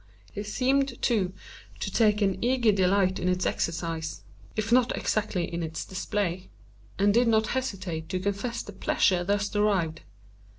He seemed, too, to take an eager delight in its exercise—if not exactly in its display—and did not hesitate to confess the pleasure thus derived.